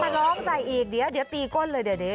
ร้องใส่อีกเดี๋ยวตีก้นเลยเดี๋ยวนี้